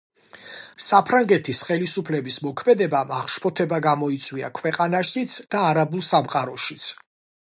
საფრანგეთის ხელისუფლების მოქმედებამ აღშფოთება გამოიწვია ქვეყანაშიც და არაბულ სამყაროშიც.